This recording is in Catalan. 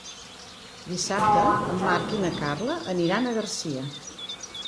Dissabte en Marc i na Carla aniran a Garcia.